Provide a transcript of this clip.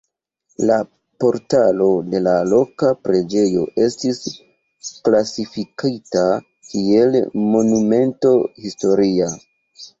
La portalo de la loka preĝejo estis klasifikita kiel Monumento historia.